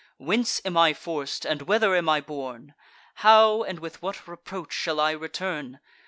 Whence am I forc'd, and whether am I borne? How, and with what reproach, shall I return?